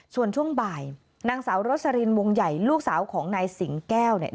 ส่วนช่วงบ่ายนางสาวโรสลินวงใหญ่ลูกสาวของนายสิงแก้วเนี่ย